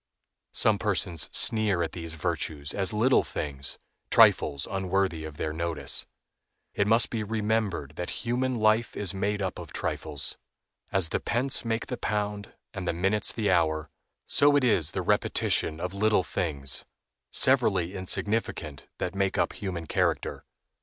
Some persons sneer at these virtues as little things, trifles unworthy of their notice. It must be remembered that human life is made up of trifles. As the pence make the pound and the minutes the hour, so it is the repetition of little things, severally insignificant, that make up human character.